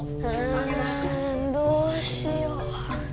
あどうしよう。